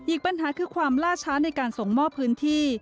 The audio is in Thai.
อีกปัญหาคือความล่าช้าในการส่งมอบพื้นที่